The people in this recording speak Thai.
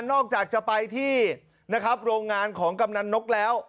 นอกจากจะไปที่นะครับโรงงานของกำนันนกแล้ว